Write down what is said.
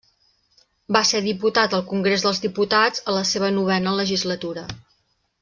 Va ser diputat al Congrés dels Diputats a la seva novena legislatura.